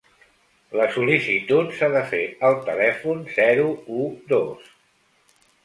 La sol·licitud s’ha de fer al telèfon zero u dos.